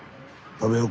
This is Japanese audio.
食べよう。